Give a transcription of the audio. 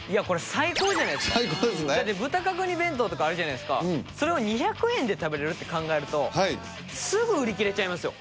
最高ですねだって豚角煮弁当とかあるじゃないですかそれを２００円で食べれるって考えるとすぐ売り切れちゃいますよ